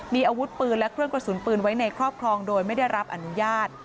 มีอาวุธปืนและเครื่องกระสุนปืนไว้ในครอบครองโดยไม่ได้รับอนุญาต